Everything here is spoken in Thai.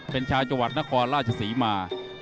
เป็นชาวจัวรรดินครศรีธรรมราช